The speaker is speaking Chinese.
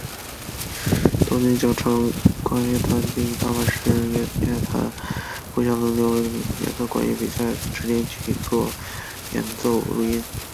东京佼成管乐团并与大阪市音乐团互相轮流为每年的管乐比赛指定曲做演奏录音。